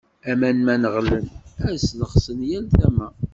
Aman ma neɣlen, ad slexsen yal tama.